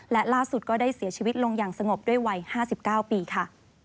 และล่าสุดก็ได้เสียชีวิตลงอย่างสงบด้วยวัย๕๙ปีค่ะ